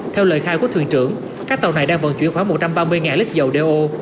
theo lời khai của thuyền trưởng các tàu này đang vận chuyển khoảng một trăm ba mươi lít dầu đeo